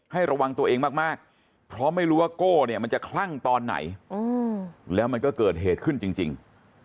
ระวังตัวเองมากเพราะไม่รู้ว่าโก้เนี่ยมันจะคลั่งตอนไหนแล้วมันก็เกิดเหตุขึ้นจริง